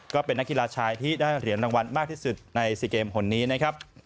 ก็เป็นนักกีฬาชายที่ได้เหรียญรางวัลมากที่สุดใน๔เกมคนนี้นะครับ